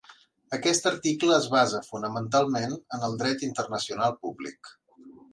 Aquest article es basa fonamentalment en el dret internacional públic.